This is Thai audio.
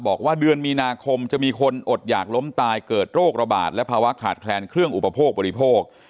บอกว่าเดือนมีนาคมจะมีคนอดอยากล้มตายเกิดโรคระบาดและภาวะขาดแคลนเครื่องอุปโภคบริโภค